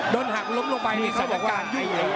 โดนหักลบลงไปนี่สถานการณ์ยุ่ง